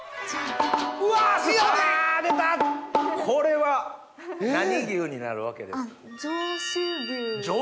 これは何牛になるわけです？